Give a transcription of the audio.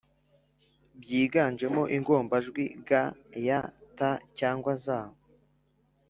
byiganjemo ingombajwi g, y, t cyangwa z,